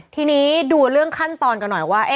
ทีนี้ดูเรื่องขั้นตอนกันหน่อยว่า